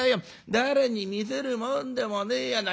誰に見せるもんでもねえやな。